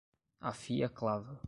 Afie a clava